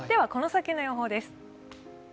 この先の予報です。